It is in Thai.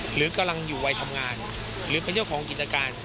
หรือกำลังอยู่วัยทำงานหรือเป็นเจ้าของกิจการ